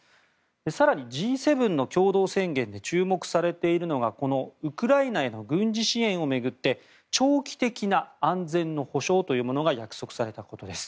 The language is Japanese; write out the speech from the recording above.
更に、Ｇ７の共同宣言で注目されているのがウクライナへの軍事支援を巡って長期的な安全の保障というものが約束されたことです。